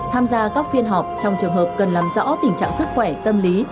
tham gia các phiên họp trong trường hợp cần làm rõ tình trạng sức khỏe tâm lý